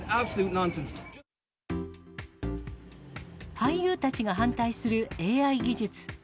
俳優たちが反対するＡＩ技術。